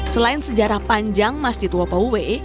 selain sejarah panjang masjid wapauwee